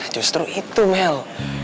nah justru itu mel